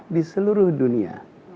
di seluruh dunia